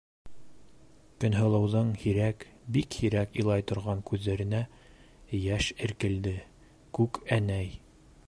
Көнһылыуҙың һирәк, бик һирәк илай торған күҙҙәренә йәш эркелде: «Күкәнәй!»